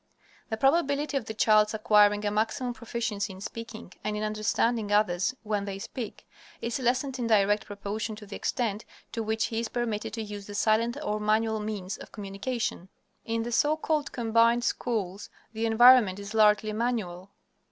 The probability of the child's acquiring a maximum proficiency in speaking and in understanding others when they speak, is lessened in direct proportion to the extent to which he is permitted to use the silent or manual means of communication. In the so called "combined" schools, the environment is largely manual.